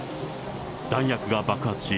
弾薬が爆発し、